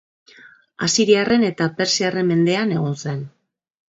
Asiriarren eta persiarren mendean egon zen.